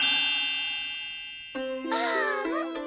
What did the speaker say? あん！